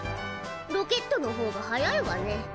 ロケットのほうが速いわね。